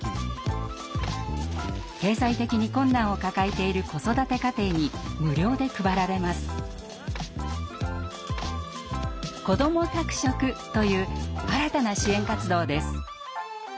経済的に困難を抱えている子育て家庭に無料で配られます。という新たな支援活動です。